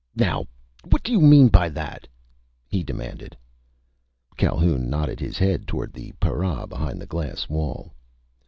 "Now ... what do you mean by that?" he demanded. Calhoun nodded his head toward the para behind the glass wall.